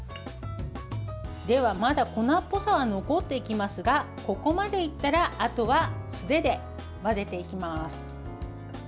では、まだ粉っぽさは残っていますがここまでいったらあとは素手で混ぜていきます。